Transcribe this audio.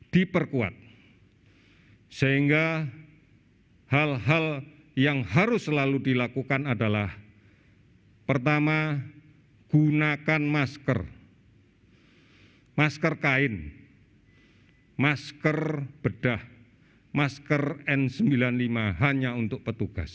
diperkuat sehingga hal hal yang harus selalu dilakukan adalah pertama gunakan masker masker kain masker bedah masker n sembilan puluh lima hanya untuk petugas